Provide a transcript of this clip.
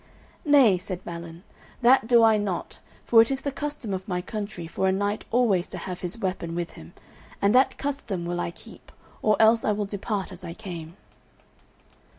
"Nay," said Balin, "that do I not, for it is the custom of my country for a knight always to have his weapon with him, and that custom will I keep, or else I will depart as I came."